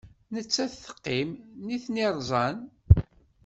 Nettat teqqim, nitni rzan.